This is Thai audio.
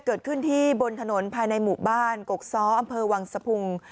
เกิดขึ้นที่บนถนนภายในหมู่บ้านกกซ้ออำเภอวังสะพุง